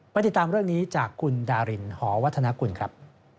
ติดตามเรื่องนี้จากคุณดารินหอวัฒนากุลครับ